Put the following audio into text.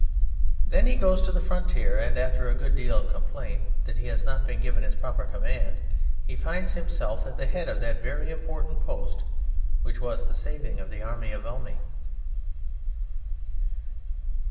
Then he goes to the frontier, and after a good deal of complaint that he has not been given his proper command he finds himself at the head of that very important post which was the saving of the Army of Valmy.